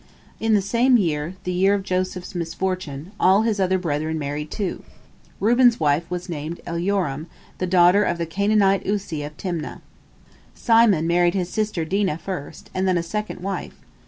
In the same year, the year of Joseph's misfortune, all his other brethren married, too. Reuben's wife was named Elyoram, the daughter of the Canaanite Uzzi of Timnah. Simon married his sister Dinah first, and then a second wife.